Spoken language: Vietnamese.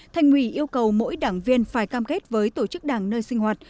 thành quỳ yêu cầu mỗi đảng viên phải cam kết với tổ chức đảng nơi sinh hoạt